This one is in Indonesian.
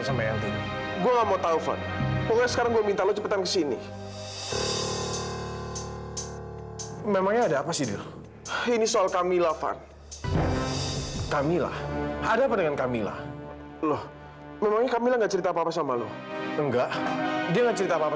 sampai jumpa di video selanjutnya